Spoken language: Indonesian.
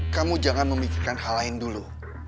kamu jangan memikirkan hal lain dulu